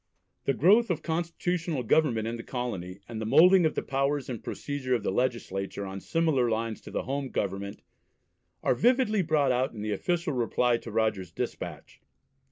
The growth of constitutional government in the colony, and the moulding of the powers and procedure of the legislature on similar lines to the home Government, are vividly brought out in the official reply to Rogers's despatch.